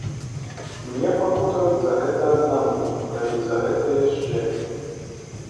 Мне пакутаваць за гэта аднаму, калі за гэта яшчэ.